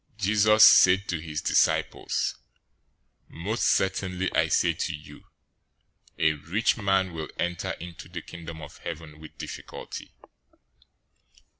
019:023 Jesus said to his disciples, "Most certainly I say to you, a rich man will enter into the Kingdom of Heaven with difficulty.